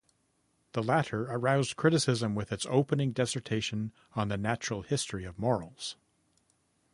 The latter aroused criticism, with its opening dissertation on the natural history of morals.